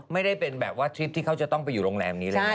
ไม่ได้เป็นแบบว่าทริปที่เขาจะต้องไปอยู่โรงแรมนี้แล้ว